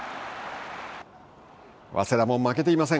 早稲田も負けていません。